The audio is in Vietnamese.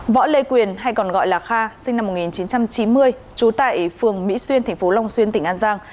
võ lê quyền hay còn gọi là kha sinh năm một nghìn chín trăm chín mươi chú tại phường mỹ xuyên thành phố long xuyên tỉnh an giang